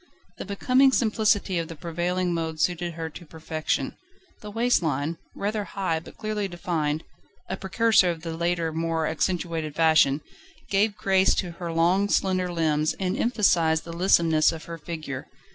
The becoming simplicity of the prevailing mode suited her to perfection. The waist line, rather high but clearly defined a precursor of the later more accentuated fashion gave grace to her long slender limbs, and emphasised the lissomeness of her figure.